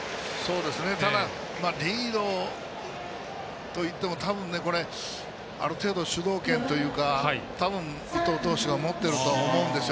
ただ、リードといっても多分ね、これある程度主導権というか多分、伊藤投手が持っていると思うんですよ。